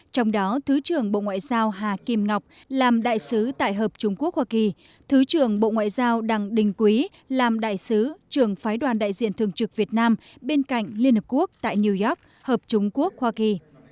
trong đó thứ trưởng bộ ngoại giao hà kim ngọc làm đại sứ tại hợp trung quốc hoa kỳ thứ trưởng bộ ngoại giao đặng đình quý làm đại sứ trưởng phái đoàn đại diện thường trực việt nam bên cạnh liên hợp quốc tại new york hợp trung quốc hoa kỳ